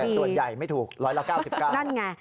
แต่ส่วนใหญ่ไม่ถูก๑๙๙บาท